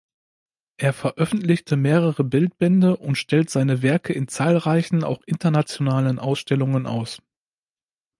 Er veröffentlichte mehrere Bildbände und stellt seine Werke in zahlreichen, auch internationalen Ausstellungen aus.